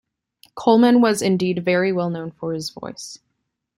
Colman was indeed very well known for his voice.